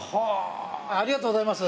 ありがとうございます。